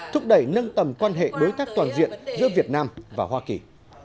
thúc đẩy nâng tầm quan hệ đối tác toàn diện giữa việt nam và hoa kỳ